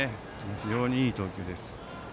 非常にいい投球です。